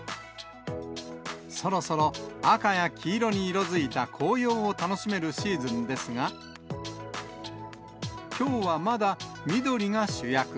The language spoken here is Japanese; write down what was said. そろそろ赤や黄色に色づいた紅葉を楽しめるシーズンですが、きょうはまだ、緑が主役。